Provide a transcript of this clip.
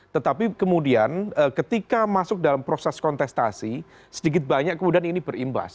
tetapi kemudian ketika masuk dalam proses kontestasi sedikit banyak kemudian ini berimbas